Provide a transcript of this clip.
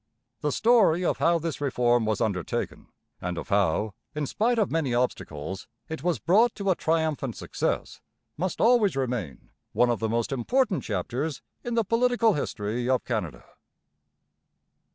The story of how this reform was undertaken, and of how, in spite of many obstacles, it was brought to a triumphant success, must always remain one of the most important chapters in the political history of Canada.